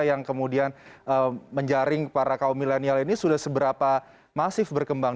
yang kemudian menjaring para kaum milenial ini sudah seberapa masif berkembang